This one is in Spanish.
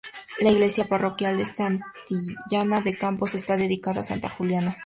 La iglesia parroquial de Santillana de Campos está dedicada a Santa Juliana.